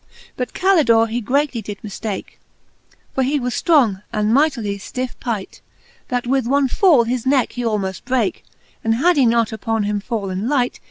But Calidore he greatly did miftake; For he was ftrong, and mightily ftiffe pight. That with one fall his necke he almoft brake ; And had he not upon him fallen light.